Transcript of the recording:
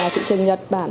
thị trường nhật bản